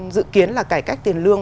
dự kiến là cải cách tiền lương